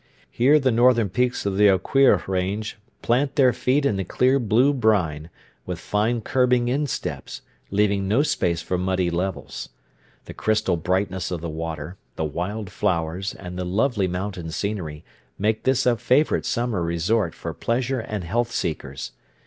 Here the northern peaks of the Oquirrh Range plant their feet in the clear blue brine, with fine curbing insteps, leaving no space for muddy levels. The crystal brightness of the water, the wild flowers, and the lovely mountain scenery make this a favorite summer resort for pleasure and health seekers.